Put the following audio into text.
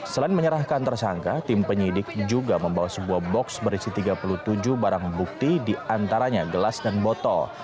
selain menyerahkan tersangka tim penyidik juga membawa sebuah box berisi tiga puluh tujuh barang bukti diantaranya gelas dan botol